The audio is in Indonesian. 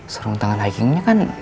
serung tangan hikingnya kan